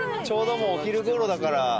ちょうどお昼ごろだから。